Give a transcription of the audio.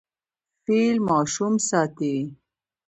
فیل ماشوم ساتي.